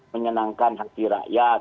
menyenangkan hati rakyat